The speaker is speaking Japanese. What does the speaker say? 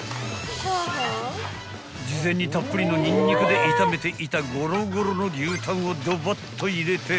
［事前にたっぷりのニンニクで炒めていたゴロゴロの牛タンをドバッと入れて］